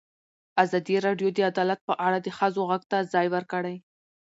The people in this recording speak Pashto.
ازادي راډیو د عدالت په اړه د ښځو غږ ته ځای ورکړی.